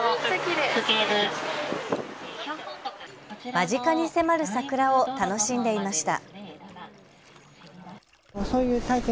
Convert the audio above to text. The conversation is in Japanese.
間近に迫る桜を楽しんでいました。